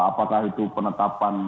apakah itu penetapan